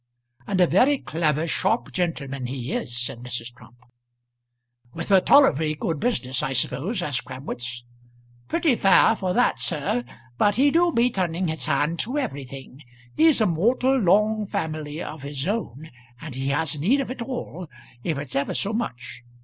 "And a very clever sharp gentleman he is," said Mrs. Trump. "With a tolerably good business, I suppose?" asked Crabwitz. "Pretty fair for that, sir. But he do be turning his hand to everything. He's a mortal long family of his own, and he has need of it all, if it's ever so much.